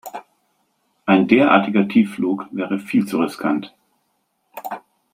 Ein derartiger Tiefflug wäre viel zu riskant.